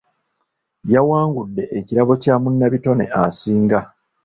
Yawangudde ekirabo kya munnabitone asinga.